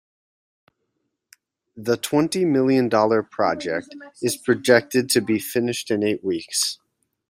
The twenty million dollar project is projected to be finished in eight weeks.